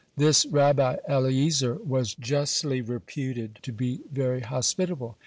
This Rabbi Eliezer was justly reputed to be very hospitable.